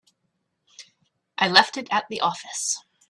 I left it at the office.